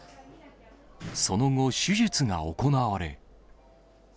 その後、手術が行われ。